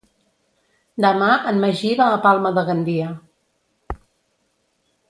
Demà en Magí va a Palma de Gandia.